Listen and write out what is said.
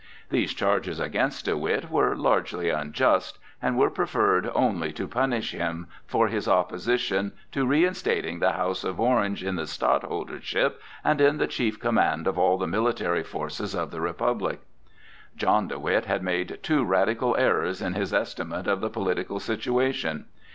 These charges against De Witt were largely unjust, and were preferred only to punish him for his opposition to reinstating the house of Orange in the stadtholdership and in the chief command of all the military forces of the Republic. John de Witt had made two radical errors in his estimate of the political situation.